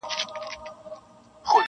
په نامه د شیرنۍ حرام نه خورمه,